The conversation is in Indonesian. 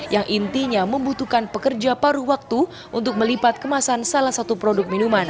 yang intinya membutuhkan pekerja paruh waktu untuk melipat kemasan salah satu produk minuman